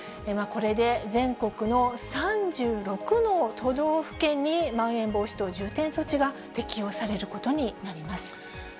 これで全国の３６の都道府県に、まん延防止等重点措置が適用されることになります。